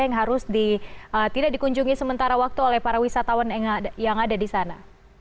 yang harus tidak dikunjungi sementara waktu oleh para wisatawan yang ada di sana